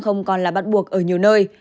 không còn là bắt buộc ở nhiều nơi